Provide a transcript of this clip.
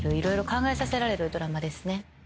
色々考えさせられるドラマですね。